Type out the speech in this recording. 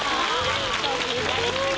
やり過ぎ。